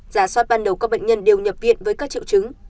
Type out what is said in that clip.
giả soát ban đầu các bệnh nhân đều nhập viện với các triệu chứng